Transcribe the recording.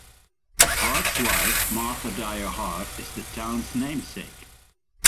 Hart's wife, Martha Dyer Hart, is the town's namesake.